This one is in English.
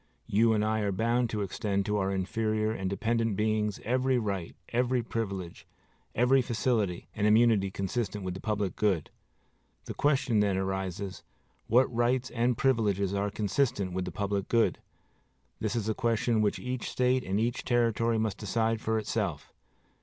You and I are bound to extend to our inferior and dependent beings every right, every privilege, every facility and immunity consistent with the public good. The question then arises, What rights and privileges are consistent with the public good? This is a question which each State and each Territory must decide for itself.